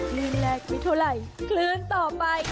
กลึงแหลกมิตุไหล่คลื่นต่อไป